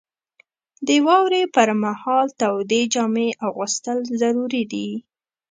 • د واورې پر مهال تودې جامې اغوستل ضروري دي.